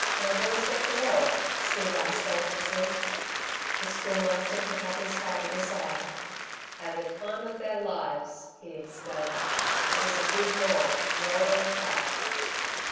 "The boys got the mob?" Steve asked anxiously. The Schoolmaster took off his hat with a sigh. "Had the time of their lives!" he exclaimed. "It was a big mob rolling fat."